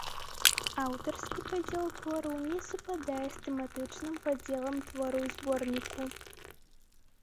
Аўтарскі падзел твораў не супадае з тэматычным падзелам твораў зборніку.